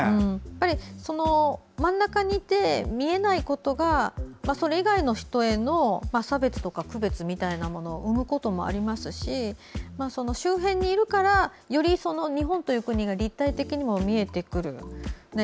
真ん中にいて見えないことがそれ以外の人への差別とか区別みたいなものを生むこともありますし周辺にいるからより日本という国が立体的にも見えてくる。